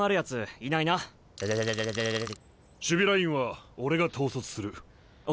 守備ラインは俺が統率する。